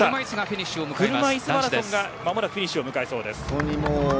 車いすマラソンが間もなくフィニッシュを迎えそうです。